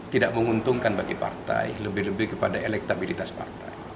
tidak menguntungkan bagi partai lebih lebih kepada elektabilitas partai